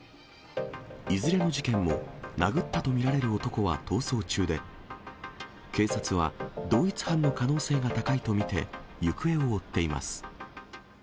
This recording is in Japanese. いずれの事件も、殴ったと見られる男は逃走中で、警察は、同一犯の可能性が高いと見て、行方を追っています。